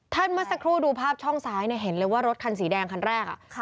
เมื่อสักครู่ดูภาพช่องซ้ายเนี่ยเห็นเลยว่ารถคันสีแดงคันแรก